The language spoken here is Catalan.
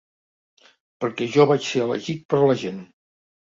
Perquè jo vaig ser elegit per la gent.